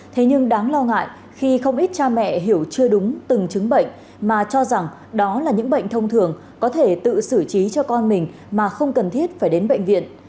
thế nhưng đáng lo ngại khi không ít cha mẹ hiểu chưa đúng từng chứng bệnh mà cho rằng đó là những bệnh thông thường có thể tự xử trí cho con mình mà không cần thiết phải đến bệnh viện